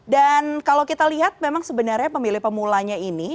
dan kalau kita lihat memang sebenarnya pemilih pemulanya ini